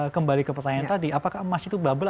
kembali ke pertanyaan tadi apakah emas itu bubble